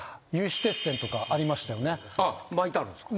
巻いてあるんすか？